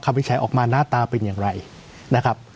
วิจัยออกมาหน้าตาเป็นอย่างไรนะครับ